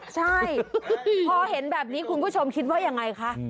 ใช่พอเห็นแบบนี้คุณผู้ชมคิดว่ายังไงคะ